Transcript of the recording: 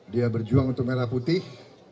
dia berjuang untuk merah putih